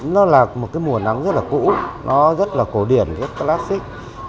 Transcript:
nó là một cái mùa nắng rất là cũ nó rất là cổ điển rất là classic